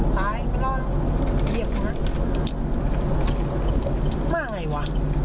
ตายไม่รอเหยียบมามาไงหวะ